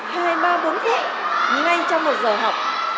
hai ba bốn phút ngay trong một giờ học